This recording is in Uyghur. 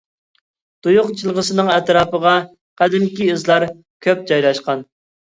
تۇيۇق جىلغىسىنىڭ ئەتراپىغا قەدىمكى ئىزلار كۆپ جايلاشقان.